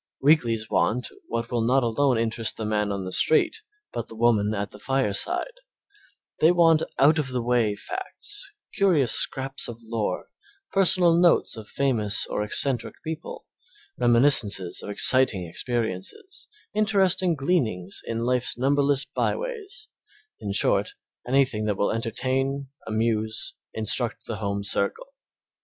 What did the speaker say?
Weeklies want what will not alone interest the man on the street, but the woman at the fireside; they want out of the way facts, curious scraps of lore, personal notes of famous or eccentric people, reminiscences of exciting experiences, interesting gleanings in life's numberless by ways, in short, anything that will entertain, amuse, instruct the home circle.